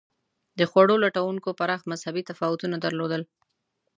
د خوړو لټونکو پراخ مذهبي تفاوتونه درلودل.